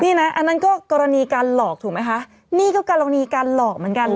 นี่นะอันนั้นก็กรณีการหลอกถูกไหมคะนี่ก็กรณีการหลอกเหมือนกัน